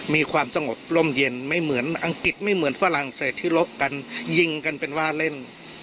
มีความสงบร่มเย็นไม่เหมือนอังกฤษไม่เหมือนฝรั่งเศสที่ลบกันยิงกันเป็นว่าเล่น